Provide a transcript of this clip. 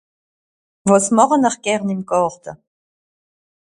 wàs màchen'r gern im Gàrte